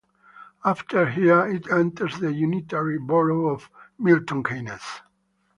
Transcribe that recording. After here it enters the Unitary borough of Milton Keynes.